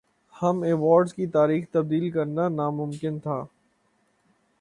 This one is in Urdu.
ہم ایوارڈز کی تاریخ تبدیل کرنا ناممکن تھا